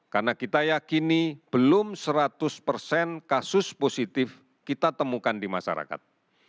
karena kita yakini belum seratus persen kasus positif kita temukan di masyarakat